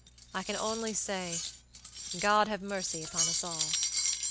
I can only sayGod have mercy upon us all.